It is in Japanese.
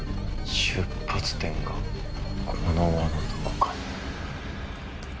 出発点がこの輪のどこかに。